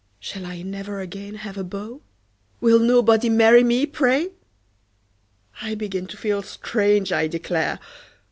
Shall I never again have a beau? Will nobody marry me, pray! I begin to feel strange, I declare!